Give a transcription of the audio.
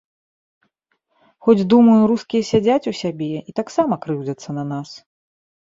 Хоць думаю, рускія сядзяць у сябе і таксама крыўдзяцца на нас.